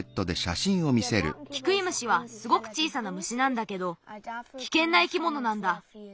キクイムシはすごく小さな虫なんだけどきけんないきものなんだ。